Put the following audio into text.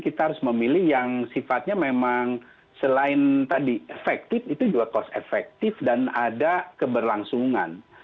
kita harus memilih yang sifatnya memang selain tadi efektif itu juga cost efektif dan ada keberlangsungan